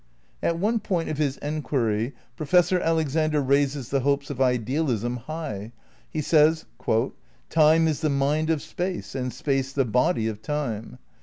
200 THE NEW IDEALISM v At one point of his enquiry Professor Alexander raises the hopes of idealism high. He says "Time is the mind of Space and Space the body of time."